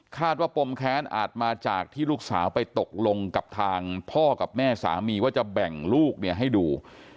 ว่าปมแค้นอาจมาจากที่ลูกสาวไปตกลงกับทางพ่อกับแม่สามีว่าจะแบ่งลูกเนี่ยให้ดู